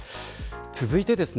続いてです。